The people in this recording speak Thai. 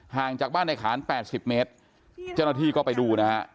ห่างจากบ้านในขาน๘๐เมตรเจ้าหน้าที่ก็ไปดูนะฮะ